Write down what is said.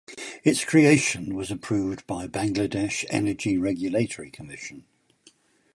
Its creation was approved by Bangladesh Energy Regulatory Commission.